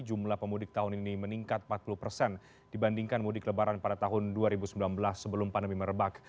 jumlah pemudik tahun ini meningkat empat puluh persen dibandingkan mudik lebaran pada tahun dua ribu sembilan belas sebelum pandemi merebak